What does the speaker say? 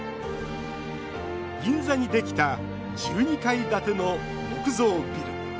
銀座にできた１２階建ての木造ビル。